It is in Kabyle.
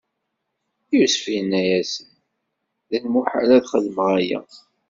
Yusef inna-yasen: D lmuḥal ad xedmeɣ ayagi!